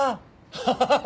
ハハハハ。